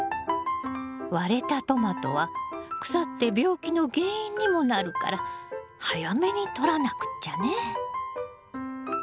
割れたトマトは腐って病気の原因にもなるから早めに取らなくっちゃね。